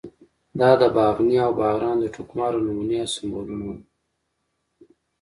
دا د باغني او باغران د ټوکمارو نمونې او سمبولونه وو.